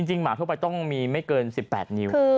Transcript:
หมาทั่วไปต้องมีไม่เกิน๑๘นิ้ว